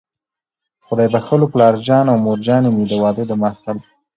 خدای بښلو پلارجان او مورجانې مې، د واده د محفل